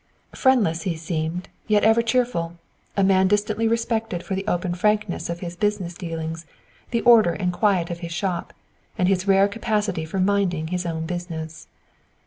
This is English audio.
Friendless he seemed, yet ever cheerful, a man distantly respected for the open frankness of his business dealings, the order and quiet of his shop, and his rare capacity for minding his own business.